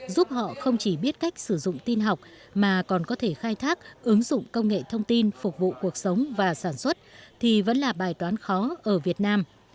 giúp họ không chỉ biết cách sử dụng tin học mà còn có thể khai thác ứng dụng công nghệ thông tin phục vụ cuộc sống và sản xuất thì vẫn là bài toán khó ở việt nam